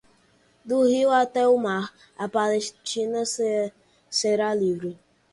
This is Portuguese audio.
Do Rio até o Mar, a Palestina será livre!